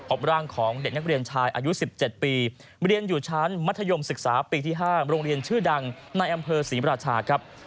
พบร่างของเด็กนักเรียนชายอายุ๑๗ปีเรียนอยู่ชั้นมัธยมศึกษาปีที่๕โรงเรียนชื่อดังในอำเภอศรีราชาครับ